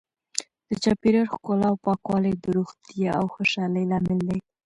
د چاپیریال ښکلا او پاکوالی د روغتیا او خوشحالۍ لامل دی.